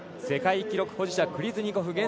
世界記録保持者、クリズニコフ